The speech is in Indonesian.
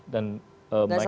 hampir dua puluh satu tahun ini